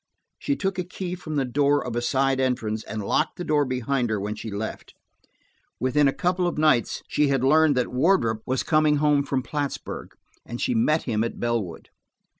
She took a key from the door of a side entrance, and locked the door behind her when she left. Within a couple of nights she had learned that Wardrop was coming home from Plattsburg, and she met him at Bellwood.